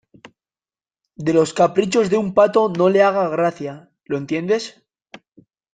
de los caprichos de un pato no le haga gracia. ¿ lo entiendes?